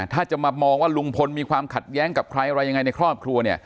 ถ้าจะมามองว่าลุงพลมีความขัดแย้งกับใครอะไรยังไงในครอบครัวเนี่ย